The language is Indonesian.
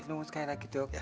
nunggu sekali lagi dok